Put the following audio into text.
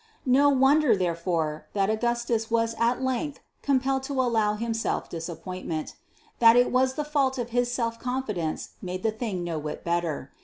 It was no wonder, therefore, that Augustus was at length compelled to allow himself disappointed. That it was the fault of his self confidence made the thing no whit better.